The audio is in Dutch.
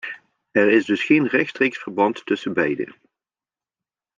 Er is dus geen rechtstreeks verband tussen beide.